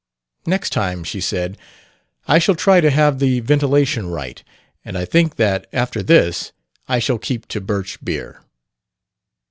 "Next time," she said, "I shall try to have the ventilation right; and I think that, after this, I shall keep to birch beer."